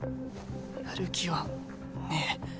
やる気はねえ。